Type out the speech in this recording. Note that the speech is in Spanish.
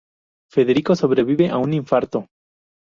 Federico sobrevive a un infarto.